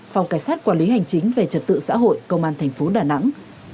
phòng cảnh sát quản lý hành chính về trật tự xã hội công an thành phố đà nẵng